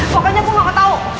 pokoknya gue gak tau